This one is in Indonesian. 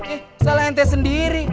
eh salah ente sendiri